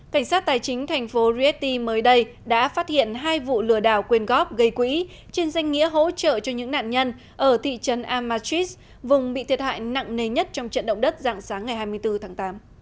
cảnh sát tài chính thành phố rieti mới đây đã phát hiện hai vụ lừa đảo quyền góp gây quỹ trên danh nghĩa hỗ trợ cho những nạn nhân ở thị trấn amatris vùng bị thiệt hại nặng nề nhất trong trận động đất dạng sáng ngày hai mươi bốn tháng tám